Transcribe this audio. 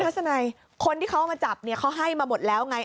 ทัศนัยคนที่เขาเอามาจับเนี่ยเขาให้มาหมดแล้วไง